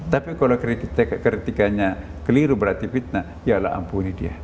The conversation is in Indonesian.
tapi kalau kritikannya keliru berarti fitnah yalah ampuni dia